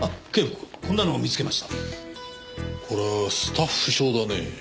これはスタッフ証だね。